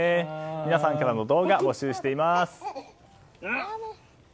皆さんからの動画募集しています。